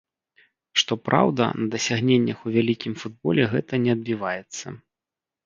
Што праўда, на дасягненнях у вялікім футболе гэта не адбіваецца.